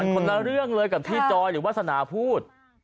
คนละเรื่องเลยกับที่จอยหรือวาสนาพูด